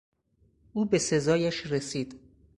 او به سزایش رسید.